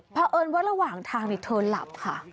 เพราะเอิญว่าระหว่างทางเธอหลับค่ะ